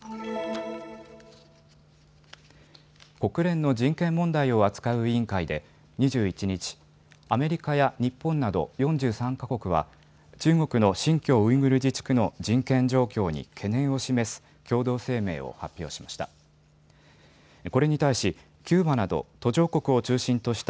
国連の人権問題を扱う委員会で２１日、アメリカや日本など４３か国は中国の新疆ウイグル自治区の人権状況に懸念を示す共同声明を発表しました。